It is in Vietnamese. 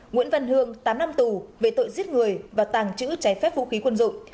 nguyễn văn hương tám năm tù về tội giết người và tàng trữ trái phép vũ khí quân dụng